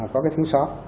có cái thính sóc